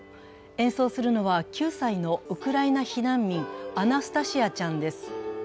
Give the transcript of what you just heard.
演奏するのは、９歳のウクライナ避難民、アナスタシアちゃんです。